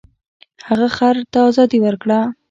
هغه خر ته ازادي ورکړه.